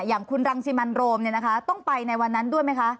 อย่างคุณรังสิมันโรมต้องไปในวันนั้นด้วยไหมคะ